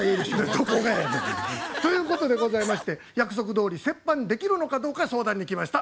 どこがやねん。ということでございまして約束どおり折半できるのかどうか相談に来ました。